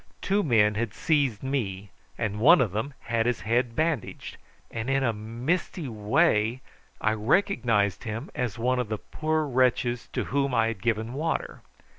Two men had seized me, and one of them had his head bandaged, and in a misty way I recognised him as one of the poor wretches to whom I had given water.